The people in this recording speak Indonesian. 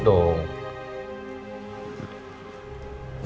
udah pak kita mau pergi